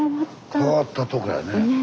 変わったとこやねえ。